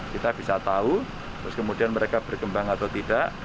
kita bisa tahu terus kemudian mereka berkembang atau tidak